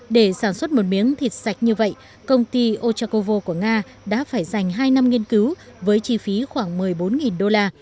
để sản xuất một miếng thịt sạch như vậy công ty ochakovo của nga đã phải dành hai năm nghiên cứu với chi phí khoảng một mươi bốn đô la